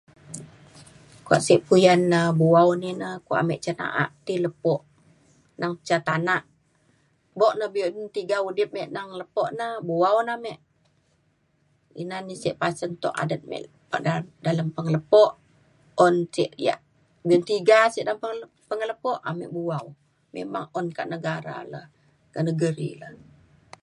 kuak sek puyan um bu’au ni na kuak ame cin na’a ti lepo neng ca tanak. buk na be’un tiga udip me neng lepo na bu’au na ame. ina na sek pasen tuk adet me kak dalem dalem pengelepo un ce yak ngan tiga sek dalem penge- pengelepo ame bu’au. memang un kak negara le ke negeri le.